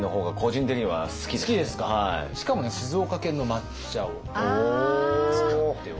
しかもね静岡県の抹茶を使っております。